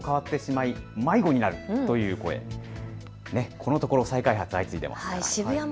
このところ再開発、相次いでますから。